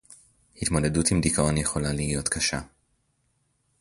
התמודדות עם דיכאון יכולה להיות קשה